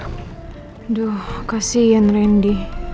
aduh kasihan randy